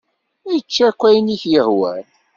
Ečč akk ayen i k-yehwan.